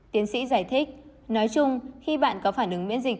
tiến sĩ giải thích nói chung khi bạn có phản ứng miễn dịch